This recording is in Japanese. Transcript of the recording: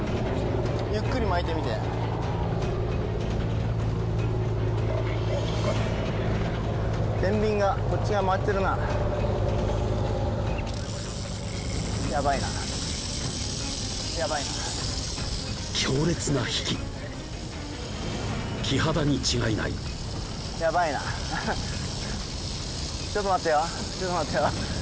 ゆっくり巻いてみてテンビンがこっち側回ってるなやばいなやばいな強烈なヒキキハダに違いないやばいなちょっと待ってよちょっと待ってよ